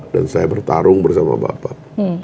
dan saya bertarung bersama bapak